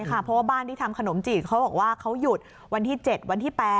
เพราะว่าบ้านที่ทำขนมจีบเขาบอกว่าเขาหยุดวันที่๗วันที่๘